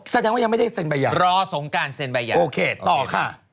อ๋อแสดงว่ายังไม่ได้เซ็นใบยารอสงการเซ็นใบยาโอเคต่อค่ะ